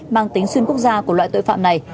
mang tính xuyên quốc gia của loại tội phạm này